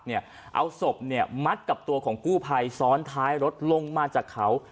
เอาศพมัดกับตัวของกู้ภัยซ้อนท้ายรถลงมาจากเขา